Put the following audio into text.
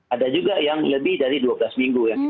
ada juga yang lebih dari dua belas minggu